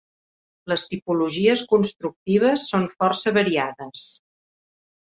Les tipologies constructives són força variades.